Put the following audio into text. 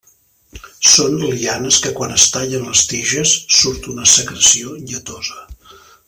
Són lianes que quan es tallen les tiges, surt una secreció lletosa.